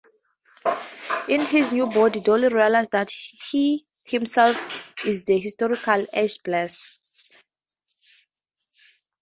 In his new body, Doyle realizes that he himself is the historical Ashbless.